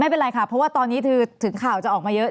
ไม่เป็นไรค่ะเพราะว่าตอนนี้คือถึงข่าวจะออกมาเยอะ